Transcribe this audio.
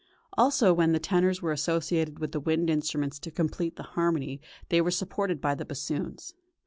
Also when the tenors were associated with the wind instruments to complete the harmony they were supported by the bassoons.